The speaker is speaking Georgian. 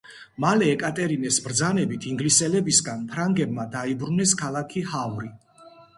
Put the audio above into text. მალე ეკატერინეს ბრძანებით ინგლისელებისგან ფრანგებმა დაიბრუნეს ქალაქი ჰავრი.